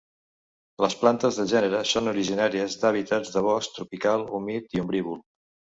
Les plantes del gènere són originàries d'hàbitats de bosc tropical humit i ombrívol.